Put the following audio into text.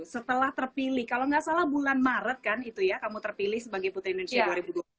setelah terpilih kalau nggak salah bulan maret kan itu ya kamu terpilih sebagai putri indonesia dua ribu dua puluh